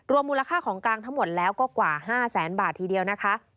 มูลค่าของกลางทั้งหมดแล้วก็กว่า๕แสนบาททีเดียวนะคะ